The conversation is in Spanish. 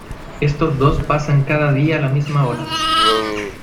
Estos dos pasan cada día a la misma hora.